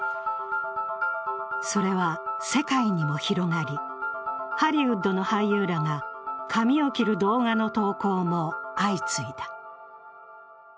それは世界にも広がり、ハリウッドの俳優らが髪を切る動画の投稿も相次いだ。